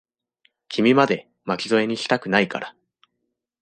君まで、巻き添えにしたくないから。